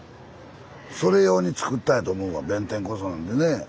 それように作ったんやと思うわ弁天小僧なんてね。